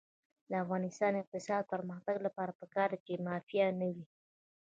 د افغانستان د اقتصادي پرمختګ لپاره پکار ده چې مافیا نه وي.